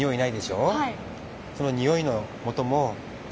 はい。